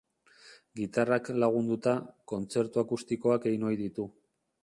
Gitarrak lagunduta, kontzertu akustikoak egin ohi ditu.